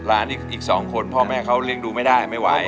อีก๒คนพ่อแม่เขาเลี้ยงดูไม่ได้ไม่ไหว